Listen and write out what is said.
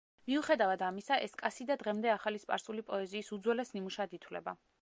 მიუხედავად ამისა, ეს კასიდა დღემდე ახალი სპარსული პოეზიის უძველეს ნიმუშად ითვლება.